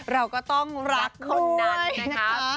เราก็ต้องรักคนนั้นนะคะ